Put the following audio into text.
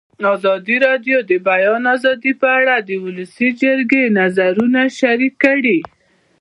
ازادي راډیو د د بیان آزادي په اړه د ولسي جرګې نظرونه شریک کړي.